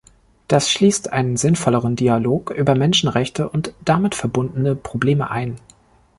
Das schließt einen sinnvolleren Dialog über Menschenrechte und damit verbundene Probleme ein.